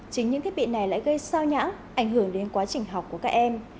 chính những thiết bị này lại gây sao nhãn ảnh hưởng đến quá trình học của các em